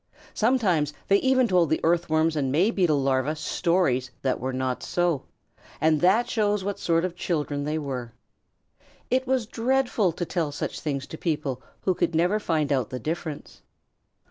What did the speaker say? Sometimes they even told the Earthworms and May Beetle larvæ stories that were not so, and that shows what sort of children they were. It was dreadful to tell such things to people who could never find out the difference.